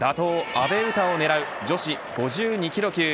阿部詩を狙う女子５２キロ級。